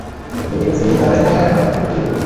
যদি এটা ছেড়ে দেই, তাহলে ভাই আমার মুখে থুতু দিবে।